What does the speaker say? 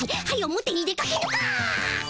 モテに出かけぬか！